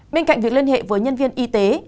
bên cạnh việc liên hệ với nhân viên y tế